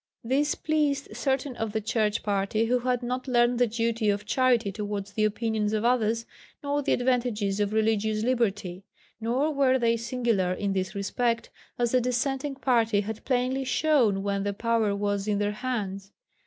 This pleased certain of the Church Party who had not learned the duty of charity towards the opinions of others, nor the advantages of Religious Liberty. Nor were they singular in this respect, as the Dissenting Party had plainly shown when the power was in their hands.